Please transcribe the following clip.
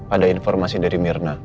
ada informasi dari mirna